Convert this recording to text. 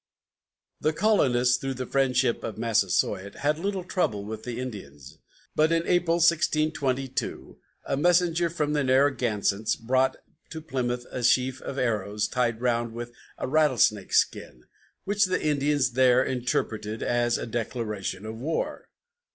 The colonists, through the friendship of Massasoit, had had little trouble with the Indians, but in April, 1622, a messenger from the Narragansetts brought to Plymouth a sheaf of arrows tied round with a rattlesnake skin, which the Indians there interpreted as a declaration of war.